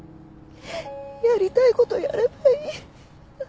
やりたい事をやればいい。